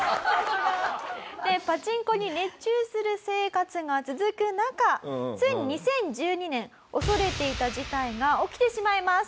でパチンコに熱中する生活が続く中ついに２０１２年恐れていた事態が起きてしまいます。